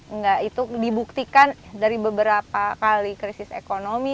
enggak itu dibuktikan dari beberapa kali krisis ekonomi